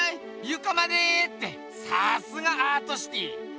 ゆかまでってさすがアートシティー！